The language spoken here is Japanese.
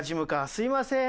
すみません！